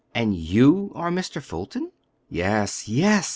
"And you are Mr. Fulton?" "Yes, yes!